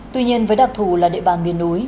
tuy nhiên với đặc thù là địa bàn miền núi